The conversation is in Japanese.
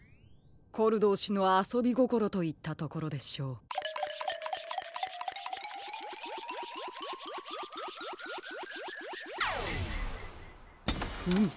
コルドー氏のあそびごころといったところでしょう。